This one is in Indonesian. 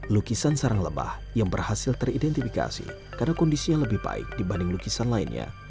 lukisan sarang lebah yang berhasil teridentifikasi karena kondisinya lebih baik dibanding lukisan lainnya